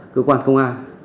cơ quan công an